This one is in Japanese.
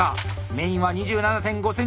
メインは２７．５ｃｍ以内。